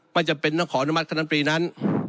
ไม่จำเป็นต้องขออนุมัติคณะมตรีนั้น